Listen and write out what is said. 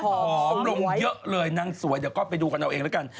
อมลงเยอะเลยนางสวยเดี๋ยวก็ไปดูกันเอาเองแล้วกัน